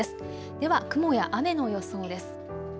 では雲や雨の予想です。